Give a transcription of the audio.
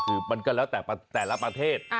คือมันก็ร้องรับแต่ละประเทศ